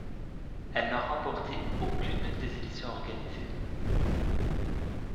Elle n'a remporté aucune des éditions organisées.